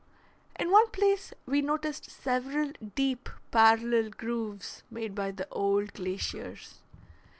In one place we noticed several deep parallel grooves, made by the old glaciers.